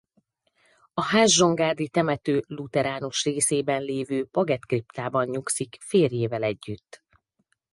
A Házsongárdi temető lutheránus részében lévő Paget-kriptában nyugszik férjével együtt.